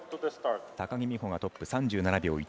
高木美帆がトップ、３７秒１２。